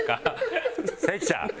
関ちゃん。